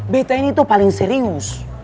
beta ini tuh paling serius